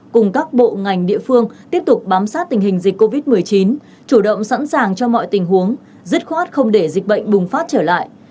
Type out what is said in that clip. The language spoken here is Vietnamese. cùng các bộ ngành địa phương tiếp tục bám sát tình hình dịch covid một mươi chín chủ động sẵn sàng cho mọi tình huống dứt khoát không để dịch bệnh bùng phát trở lại